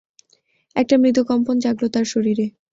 একটা মৃদু কম্পন জাগল তার শরীরে।